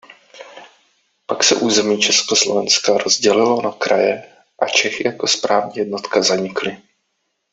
Pak se území Československa rozdělilo na kraje a Čechy jako správní jednotka zanikly.